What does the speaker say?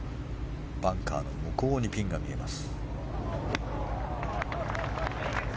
バンカーの向こうにピンが見えます。